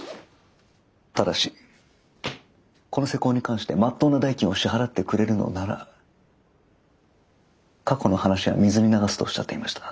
ただしこの施工に関してまっとうな代金を支払ってくれるのなら過去の話は水に流すとおっしゃっていました。